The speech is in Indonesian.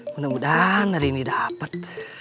mudah mudahan hari ini dapat